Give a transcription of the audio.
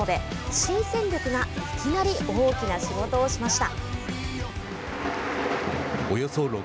新戦力がいきなり大きな出場しました。